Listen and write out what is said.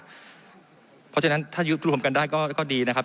เพราะฉะนั้นถ้ายึดรวมกันได้ก็ดีนะครับ